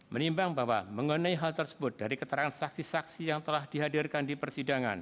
menimbang bahwa mengenai hal tersebut dari keterangan saksi saksi yang telah dihadirkan di persidangan